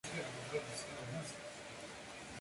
Mientras, las luchas militares continuaban en Italia.